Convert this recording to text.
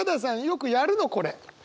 よくやるのこれ！